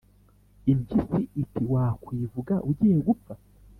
impyisi iti «wakwivuga ugiye gupfa,